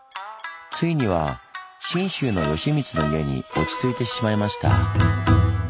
ついには信州の善光の家に落ち着いてしまいました。